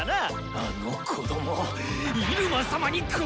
あの子供入間様に攻撃を！